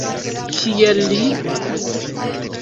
Kiel li?